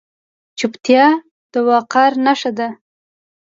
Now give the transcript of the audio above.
چوپتیا، د وقار نښه ده.